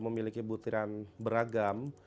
memiliki butiran beragam